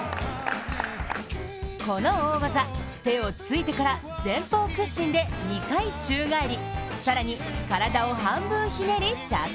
この大技、手をついてから前方屈伸で二回宙返り。